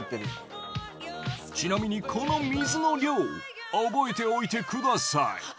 ちなみにこの水の量覚えておいてください